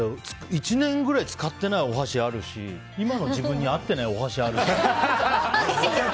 １年くらい使ってないお箸あるし今の自分に合ってないお箸あるし。